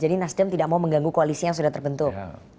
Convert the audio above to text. jadi nasdem tidak mau mengganggu koalisi yang sudah terbentuk